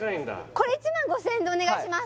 これ１万５０００円でお願いします